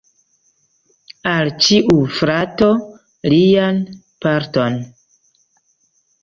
Al ĉiu frato lian parton.